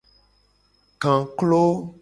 Kaklo.